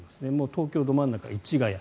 東京ど真ん中、市ケ谷。